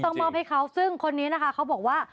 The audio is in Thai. มอบให้เขาซึ่งคนนี้นะคะเขาบอกว่า